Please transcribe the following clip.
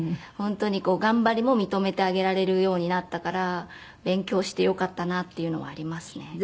本当に頑張りも認めてあげられるようになったから勉強してよかったなっていうのはありますね。